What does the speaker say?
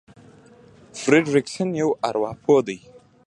فرېډ ريکسن يو ارواپوه دی.